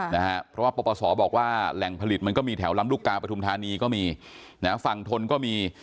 นะฮะเพราะว่าปปศบอกว่าแหล่งผลิตมันก็มีแถวลำลูกกาปฐุมธานีก็มีนะฮะฝั่งทนก็มี